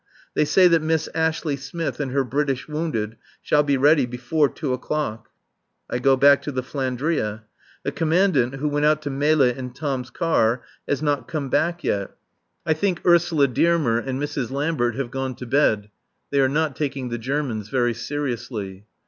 They say that Miss Ashley Smith and her British wounded shall be ready before [?] two o'clock. I go back to the "Flandria." The Commandant, who went out to Melle in Tom's car, has not come back yet. I think Ursula Dearmer and Mrs. Lambert have gone to bed. They are not taking the Germans very seriously.